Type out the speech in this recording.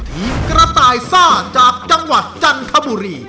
ทีมกระต่ายซ่าจากจังหวัดจันทบุรี